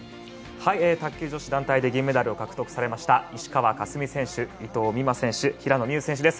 卓球女子団体で銀メダルを獲得されました石川佳純選手、伊藤美誠選手平野美宇選手です。